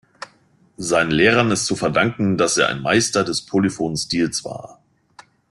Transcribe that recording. Seinen Lehrern ist zu verdanken, dass er ein Meister des polyphonen Stils war.